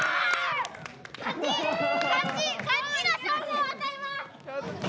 勝ちの称号を与えます。